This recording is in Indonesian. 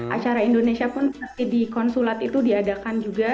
acara indonesia pun seperti di konsulat itu diadakan juga